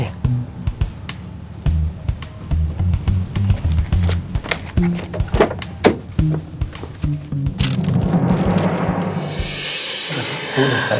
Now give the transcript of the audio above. dia ada di rumah